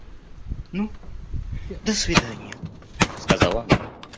– Ну, до свиданья! – сказала она.